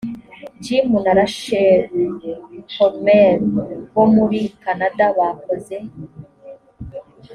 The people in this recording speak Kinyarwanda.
jim na rachel holmes bo muri kanada bakoze